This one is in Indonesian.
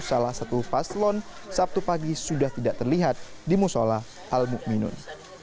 salah satu paslon sabtu pagi sudah tidak terlihat di musola al ⁇ muminun